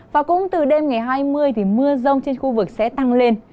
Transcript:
và cũng từ đêm ngày hai mươi thì mưa rông trên khu vực sẽ tăng lên